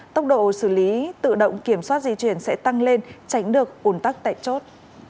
tốc độ xử lý tự động kiểm soát di chuyển sẽ tăng lên tránh được ồn tắc tại chốt